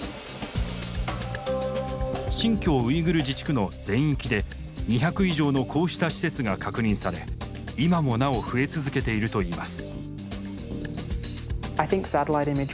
新疆ウイグル自治区の全域で２００以上のこうした施設が確認され今もなお増え続けているといいます。